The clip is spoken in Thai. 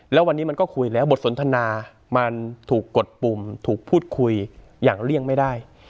แล้ววันนี้มันก็คุยแล้วบทสนทนามันถูกกดปุ่มถูกพูดคุยอย่างเลี่ยงไม่ได้